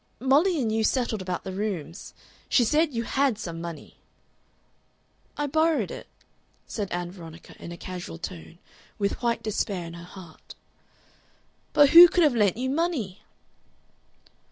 "Molly and you settled about the rooms. She said you HAD some money." "I borrowed it," said Ann Veronica in a casual tone, with white despair in her heart. "But who could have lent you money?"